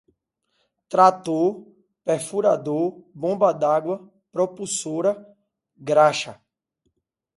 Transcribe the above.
trator, perfurador, bomba d'água, propulsora, graxa